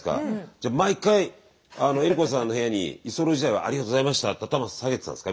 じゃあ毎回江里子さんの部屋に居候時代はありがとうございましたって頭下げてたんですか？